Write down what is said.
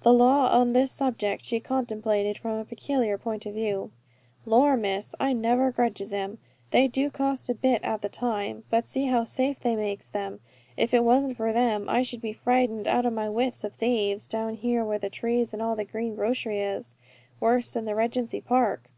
The law on this subject she contemplated from a peculiar point of view. "Lor, Miss, I never grudges 'em. They do cost a bit at the time; but see how safe they makes them. If it wasn't for them I should be frightened out of my wits of thieves, down here where the trees and all the green grocery is, worse than the Regency Park.